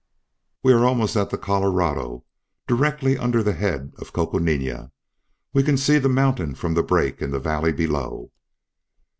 "We are almost at the Colorado, and directly under the head of Coconina. We can see the mountain from the break in the valley below."